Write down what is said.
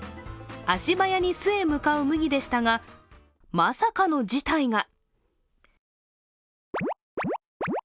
足早に巣へ向かうムギでしたがまさかの事態が。